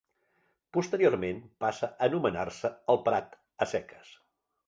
Posteriorment, passà a anomenar-se el Prat a seques.